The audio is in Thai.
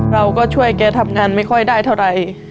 เราก็ช่วยแกทำงานไม่ค่อยได้เท่าไหร่